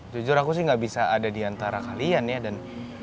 jujur aku sih gak bisa ada di antara kalian ya dan